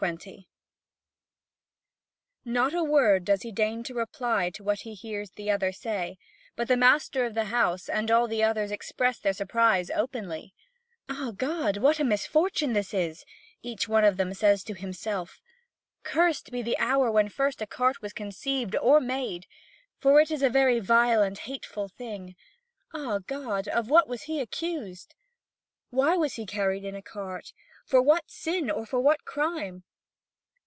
(Vv. 2615 2690.) Not a word does he deign to reply to what he hears the other say; but the master of the house and all the others express their surprise openly: "Ah, God, what a misfortune this is," each one of them says to himself; "cursed be the hour when first a cart was conceived or made! For it is a very vile and hateful thing. Ah, God, of what was he accused? Why was he carried in a cart? For what sin, or for what crime?